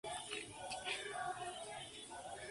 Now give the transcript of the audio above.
Proveniente de familia de clase media.